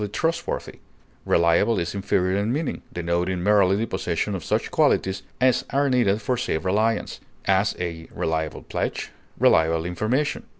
Reliable is inferior in meaning, denoting merely the possession of such qualities as are needed for safe reliance; as, a reliable pledge; reliable information.